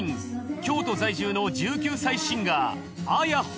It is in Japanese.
京都在住の１９歳シンガーａｙａｈｏ。